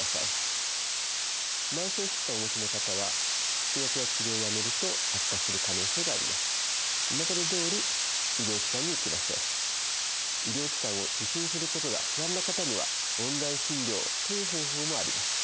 慢性疾患をお持ちの方は医療機関を受診することが不安な方にはオンライン診療という方法もあります。